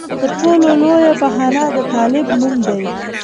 تر ټولو لویه بهانه د طالب نوم دی.